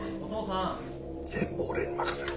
全部俺に任せろ。